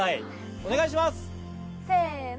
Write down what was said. お願いします！せの。